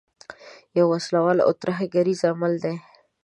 یو وسله وال او ترهګریز عمل دی.